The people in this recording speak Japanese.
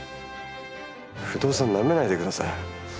不動産なめないでください。